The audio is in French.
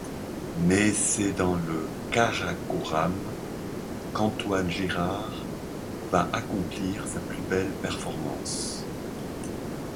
Mais c’est dans le Karakoram qu’Antoine Girard va accomplir sa plus belle performance.